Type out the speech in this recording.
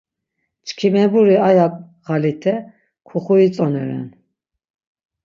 Çkimeburi aya xalite kuxuitzoneren.